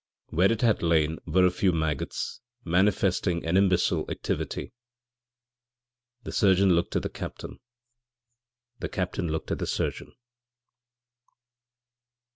Where it had lain were a few maggots, manifesting an imbecile activity. The surgeon looked at the captain. The captain looked at the surgeon.